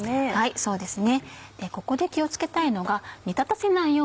そうですね。